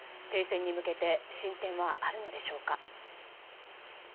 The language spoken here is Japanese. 停戦に向けて進展はあるのでしょうか。